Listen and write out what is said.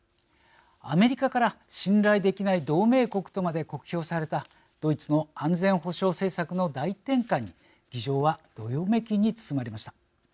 アメリカから信頼できない同盟国とまで酷評されたドイツの安全保障政策の大転換に議場はどよめきに包まれました。